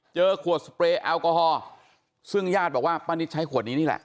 เจอขวดสเปรย์แอลกอฮอล์ซึ่งญาติบอกว่าป้านิตใช้ขวดนี้นี่แหละ